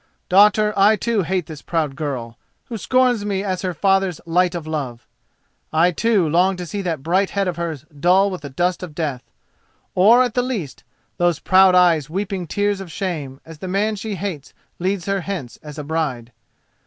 Daughter, I too hate this proud girl, who scorns me as her father's light of love. I too long to see that bright head of hers dull with the dust of death, or, at the least, those proud eyes weeping tears of shame as the man she hates leads her hence as a bride.